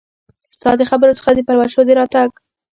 ستا د خبرو څخه د پلوشو د راتګ